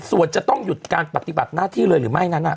ส่วนจะต้องหยุดการปฏิบัติหน้าที่เลยหรือไม่นั้น